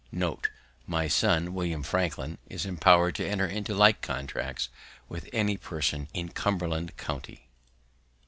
"Note. My son, William Franklin, is empowered to enter into like contracts with any person in Cumberland county.